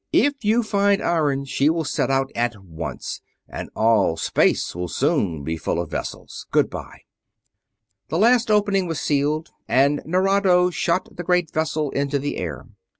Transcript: If you find iron she will set out at once, and all space will soon be full of vessels. Goodbye." The last opening was sealed and Nerado shot the great vessel into the air.